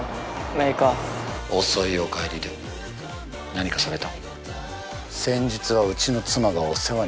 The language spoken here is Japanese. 明花遅いお帰りで何かされた？